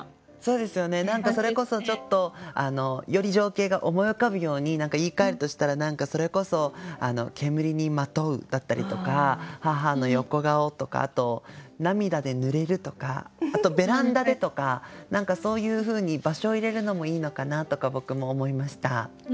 それこそちょっとより情景が思い浮かぶように言いかえるとしたらそれこそ「煙にまとう」だったりとか「母の横顔」とかあと「涙でぬれる」とかあと「ベランダで」とかそういうふうに場所入れるのもいいのかなとか僕も思いました。